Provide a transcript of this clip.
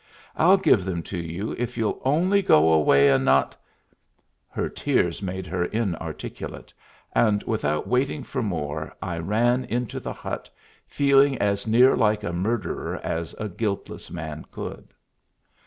I'll give them to you, if you'll only go away and not " Her tears made her inarticulate, and without waiting for more I ran into the hut, feeling as near like a murderer as a guiltless man could.